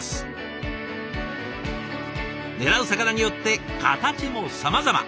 狙う魚によって形もさまざま。